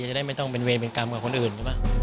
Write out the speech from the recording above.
อย่าได้ไม่ต้องเป็นเวรเป็นกรรมกับคนอื่น